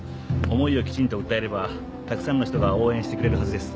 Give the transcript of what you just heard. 思いをきちんと訴えればたくさんの人が応援してくれるはずです。